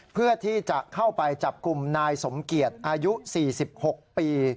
เพื่อที่จะเข้าไปจับกลุ่มนายสมเกียจอายุ๔๖ปี